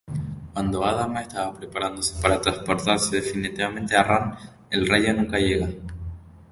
Cuando Adam estaba preparándose para transportarse definitivamente a Rann, el rayo nunca llega.